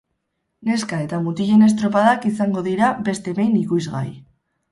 Neska eta mutilen estropadak izango dira beste behin ikusgai.